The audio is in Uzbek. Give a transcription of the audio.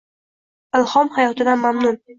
Ilhom hayotidan mamnun